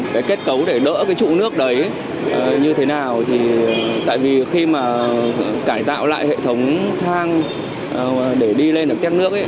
cái kết cấu để đỡ cái trụ nước đấy như thế nào thì tại vì khi mà cải tạo lại hệ thống thang để đi lên ở các nước ấy